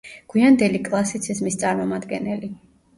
გვიანდელი კლასიციზმის წარმომადგენელი.